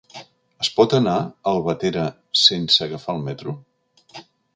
Es pot anar a Albatera sense agafar el metro?